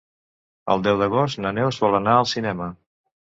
El deu d'agost na Neus vol anar al cinema.